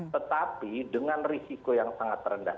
tetapi dengan risiko yang sangat rendah